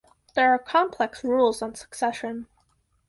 There are complex rules on succession.